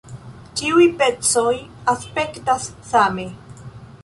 Ĉiuj pecoj aspektas same.